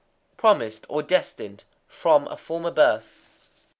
_ Promised [or, destined] from a former birth.